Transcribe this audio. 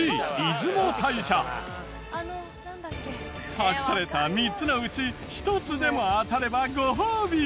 隠された３つのうち１つでも当たればご褒美！